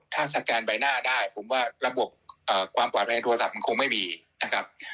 ถ้าสแกนใบหน้าได้ผมว่าระบบความปลอดภัยโทรศัพท์มันคงไม่มีนะครับ